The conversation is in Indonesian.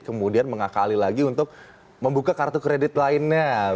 kemudian mengakali lagi untuk membuka kartu kredit lainnya